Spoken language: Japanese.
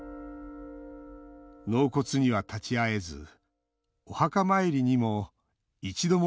納骨には立ち会えずお墓参りにも一度も